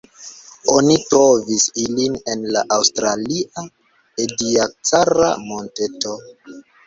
Oni trovis ilin en la aŭstralia Ediacara-monteto.